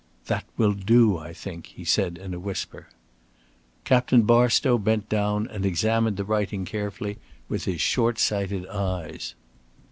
"That will do, I think," he said, in a whisper. Captain Barstow bent down and examined the writing carefully with his short sighted eyes.